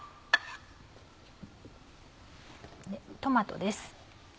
トマトです。